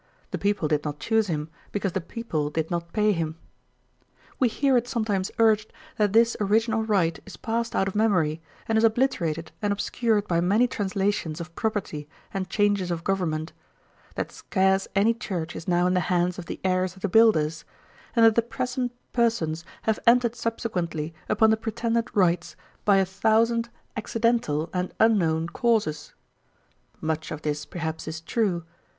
The people did not choose him, because the people did not pay him. 'We hear it sometimes urged, that this original right is passed out of memory, and is obliterated and obscured by many translations of property and changes of government; that scarce any church is now in the hands of the heirs of the builders; and that the present persons have entered subsequently upon the pretended rights by a thousand accidental and unknown causes. Much of this, perhaps, is true.